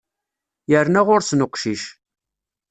Yerna ɣur-sen uqcic.